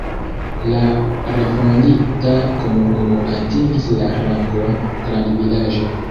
La refondita komunumo atingis la rangon grandvilaĝo.